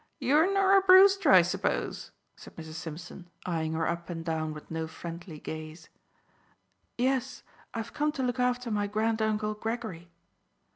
"You're Norah Brewster, I s'pose," said Mrs. Simpson, eyeing her up and down with no friendly gaze. "Yes, I've come to look after my Granduncle Gregory."